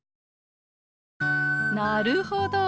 なるほど。